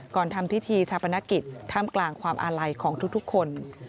ทำพิธีชาปนกิจท่ามกลางความอาลัยของทุกคน